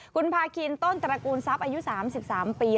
คุณพาคินต้นตระกูลทรัพย์อายุ๓๓ปี